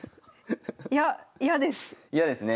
いや嫌です。